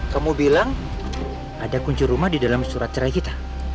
kamu bilang ada kunci rumah di dalam surat cerai kita